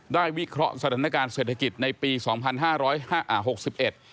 วิเคราะห์สถานการณ์เศรษฐกิจในปีสองพันห้าร้อยห้าอ่าหกสิบเอ็ด